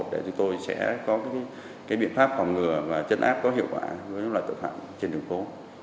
để chúng tôi sẽ có biện pháp phòng ngừa và chấn áp có hiệu quả với loại tội phạm trên đường phố